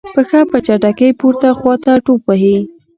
پښه په چټکۍ پورته خواته ټوپ وهي.